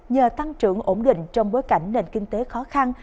nhờ tăng trưởng ổn định trong bối cảnh nền kinh tế khó khăn